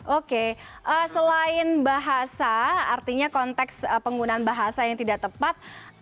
oke selain bahasa artinya konteks penggunaan bahasa yang tidak tepat